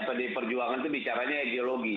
pdi perjuangan itu bicaranya ideologi